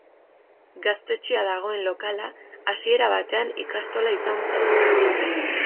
Gaztetxea dagoen lokala, hasiera batean ikastola izan zen.